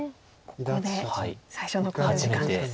ここで最初の考慮時間です。